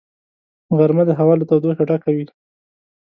غرمه د هوا له تودوخې ډکه وي